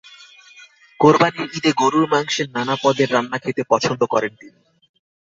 কোরবানির ঈদে গরুর মাংসের নানা পদের রান্না খেতে পছন্দ করেন তিনি।